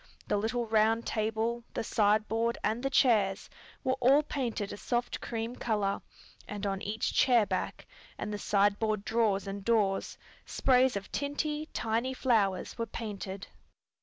The little round table, the sideboard and the chairs were all painted a soft cream color, and on each chair back, and the sideboard drawers and doors sprays of tinty, tiny flowers were painted.